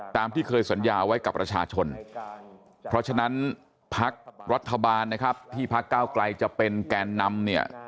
ตามที่เคยสัญญาไว้กับประชาชนเพราะฉะนั้นพักรัฐบาลนะครับที่พักเก้าไกลจะเป็นแกนนำเนี่ย